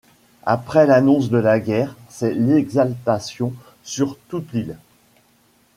Après l'annonce de la guerre c'est l’exaltation sur toute l’île.